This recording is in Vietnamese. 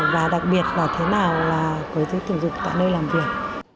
và đặc biệt là thế nào là quấy dối tình dục tại nơi làm việc